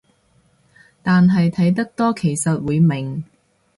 但係睇得多其實會明